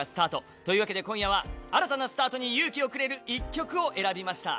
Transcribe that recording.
というわけで今夜は新たなスタートに勇気をくれる一曲を選びました。